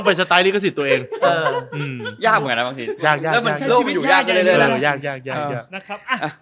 ยากเหมือนกันนะ